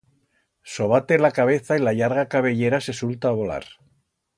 Sobate la cabeza y la llarga cabellera se sulta a volar.